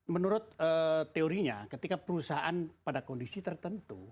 menurut teorinya ketika perusahaan pada kondisi tertentu